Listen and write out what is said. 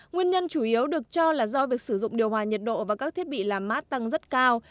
nguyên nhân chủ yếu được cho là do việc sử dụng điều hòa nhiệt độ và các thiết bị làm mát tăng rất cao